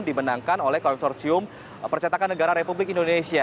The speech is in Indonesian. dimenangkan oleh konsorsium percetakan negara republik indonesia